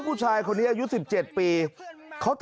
ประเภทประเภทประเภท